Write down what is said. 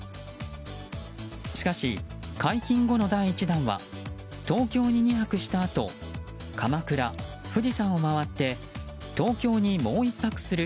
しかし、解禁後の第１弾は東京に２泊したあと鎌倉、富士山を回って東京にもう１泊する